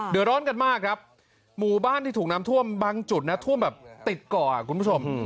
เดี๋ยวร้อนกันมากครับหมู่บ้านที่ถูกน้ำท่วมบางจุดนะท่วมแบบติดเกาะคุณผู้ชม